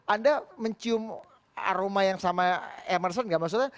anda mencium aroma yang sama emerson